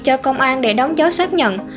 cho công an để đóng dấu xác nhận